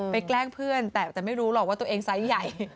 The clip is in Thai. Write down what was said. แกล้งเพื่อนแต่ไม่รู้หรอกว่าตัวเองไซส์ใหญ่